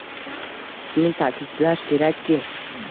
Shuni ta'kidlash kerakki